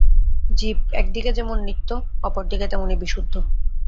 জীব একদিকে যেমন নিত্য, অপরদিকে তেমনি বিশুদ্ধ।